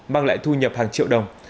mang lại thu nhập hàng triệu đồng